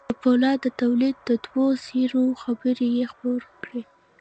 د پولادو د توليد د دوو څېرو خبر يې خپور کړ.